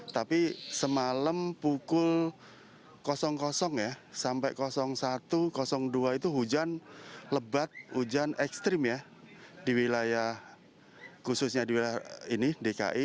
tapi semalam pukul ya sampai satu dua itu hujan lebat hujan ekstrim ya di wilayah khususnya di wilayah ini dki